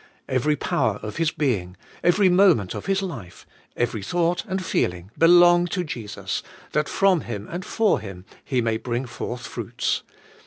Every power of his being, every moment of his life, every thought and feeling, belong to Jesus, that from Him and for Him he may bring forth fruits.